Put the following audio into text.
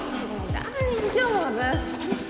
大丈夫。